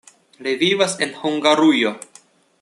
Li vivas en Hungarujo.